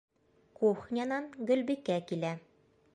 Кухнянан Гөлбикә килә.